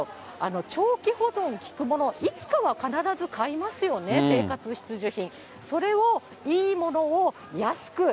長期保存が効くもの、いつかは必ず買いますよね、生活必需品。